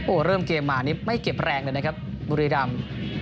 โอ้โหเริ่มเกมมานี่ไม่เก็บแรงเลยนะครับบุรีรำ